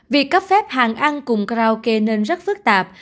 việc cấp phép hàng ăn cùng karaoke nên rất phức tạp